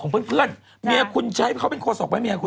ของเพื่อนเมียคุณใช้เขาเป็นโคสออกไหม